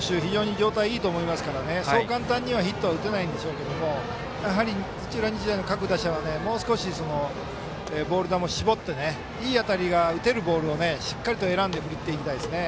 状態がいいと思いますからそう簡単にはヒット打てないんでしょうけども土浦日大の各打者はもう少しボール球を絞っていい当たりを打てるボールを選んで振っていきたいですね。